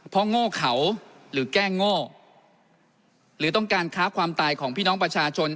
เพราะโง่เขาหรือแก้โง่หรือต้องการค้าความตายของพี่น้องประชาชน